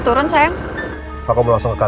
terima kasih datang juga